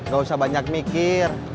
gak usah banyak mikir